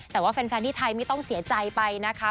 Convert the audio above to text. แต่ว่าแฟนที่ไทยไม่ต้องเสียใจไปนะคะ